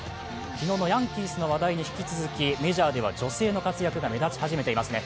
昨日のヤンキースの話題に引き続き、メジャーリーグでは女性の活躍が目立ちますね。